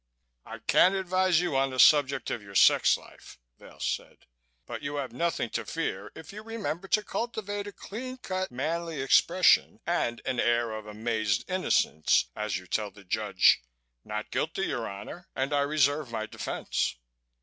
I." "I can't advise you on the subject of your sex life," Vail said. "But you have nothing to fear if you remember to cultivate a clean cut manly expression and an air of amazed innocence as you tell the Judge, 'Not guilty, your Honor, and I reserve my defense.'"